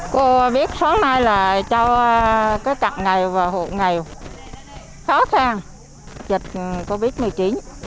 cô biết sáng nay là cho các cận nghèo và hộ nghèo khó khăn dịch covid một mươi chín